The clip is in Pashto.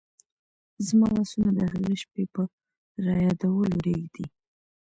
زما لاسونه د هغې شپې په رایادېدلو رېږدي.